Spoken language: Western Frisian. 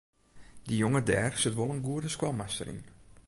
Dy jonge dêr sit wol in goede skoalmaster yn.